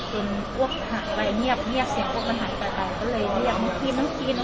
จนอวกทหายไปเหี้ยวเหี้ยวเสียงปลด